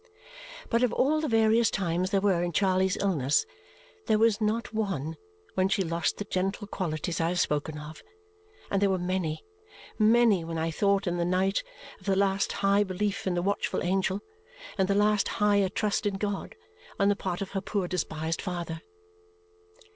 But of all the various times there were in Charley's illness, there was not one when she lost the gentle qualities I have spoken of. And there were many, many when I thought in the night of the last high belief in the watching angel, and the last higher trust in God, on the part of her poor despised father.